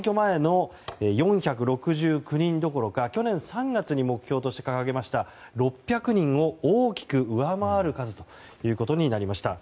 ４６９人どころか去年３月に目標として掲げました６００人を大きく上回る数となりました。